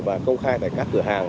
và công khai tại các cửa hàng